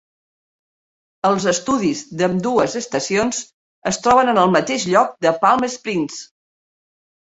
Els estudis d'ambdues estacions es troben en el mateix lloc de Palm Springs.